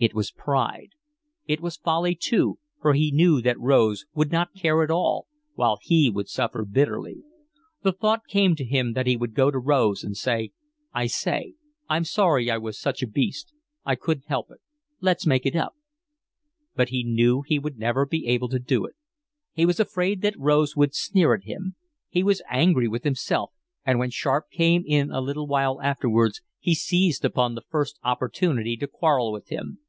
It was pride: it was folly too, for he knew that Rose would not care at all, while he would suffer bitterly. The thought came to him that he would go to Rose, and say: "I say, I'm sorry I was such a beast. I couldn't help it. Let's make it up." But he knew he would never be able to do it. He was afraid that Rose would sneer at him. He was angry with himself, and when Sharp came in a little while afterwards he seized upon the first opportunity to quarrel with him.